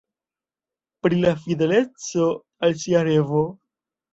Pri la fideleco al sia revo.